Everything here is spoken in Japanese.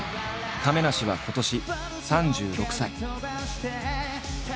亀梨は今年３６歳。